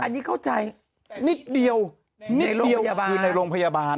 อันนี้เข้าใจนิดเดียวนิดเดียวคือในโรงพยาบาล